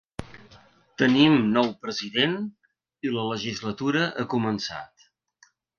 Tenim nou president i la legislatura ha començat.